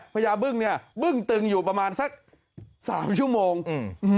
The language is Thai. พญาบึ้งเนี้ยบึ้งตึงอยู่ประมาณสักสามชั่วโมงอืม